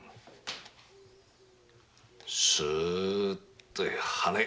すーっとはね。